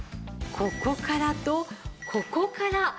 ここからとここから。